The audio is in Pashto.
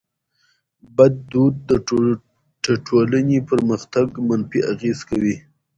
بد دود د ټټولني پر پرمختګ منفي اغېز کوي.